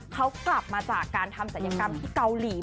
เขากลับมาจากการทำศัลยกรรมที่เกาหลี